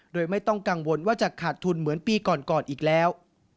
โดยไม่ต้องกังวลว่าจะขาดทุนเหมือนปีก่อนอีกแล้ว